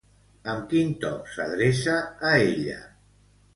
Amb quin to s'adreça a ella?